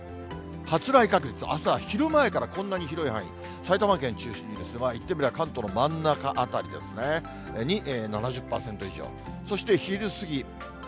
発雷確率、あすは昼前からこんなに広い範囲、埼玉県中心に、言ってみれば関東の真ん中辺りですね、に７０％以上、そして昼過ぎ。